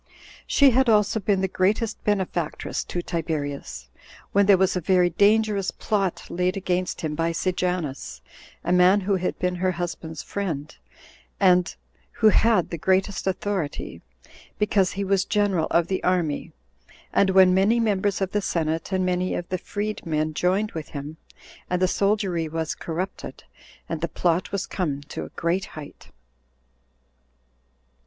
She had also been the greatest benefactress to Tiberius, when there was a very dangerous plot laid against him by Sejanus, a man who had been her husband's friend, and who had the greatest authority, because he was general of the army, and when many members of the senate and many of the freed men joined with him, and the soldiery was corrupted, and the plot was come to a great height.